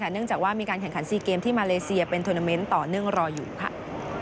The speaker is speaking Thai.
เนื่องจากว่ามีการแข่งขัน๔เกมที่มาเลเซียเป็นทวนาเมนต์ต่อเนื่องรออยู่ค่ะ